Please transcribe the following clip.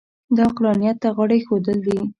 دا عقلانیت ته غاړه اېښودل دي.